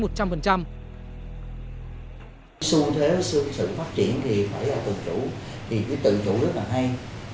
xu thế sự phát triển thì phải là tự chủ thì cái tự chủ rất là hay